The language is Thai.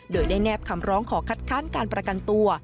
โดยได้แนบคำร้องขอคัดค้านการประกันตัว